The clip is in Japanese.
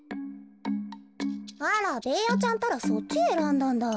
あらベーヤちゃんったらそっちえらんだんだ。